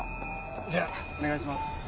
じゃあお願いします。